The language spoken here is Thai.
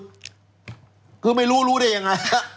ทุกคนไม่รู้ได้ยังไง